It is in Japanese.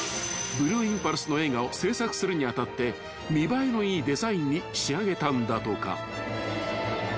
［ブルーインパルスの映画を製作するに当たって見栄えのいいデザインに仕上げたんだとか］